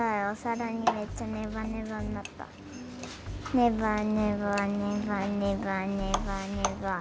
ネバネバネバネバネバネバ。